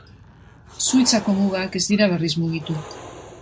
Suitzako mugak ez dira berriz mugitu.